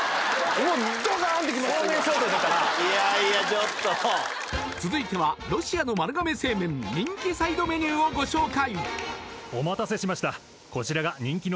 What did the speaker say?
今いやいやちょっと続いてはロシアの丸亀製麺人気サイドメニューをご紹介